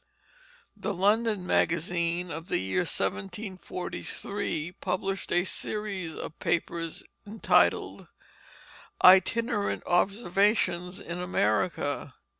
The London Magazine of the year 1743 published a series of papers entitled Itinerant Observations in America.